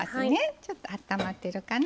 ちょっとあったまってるかな。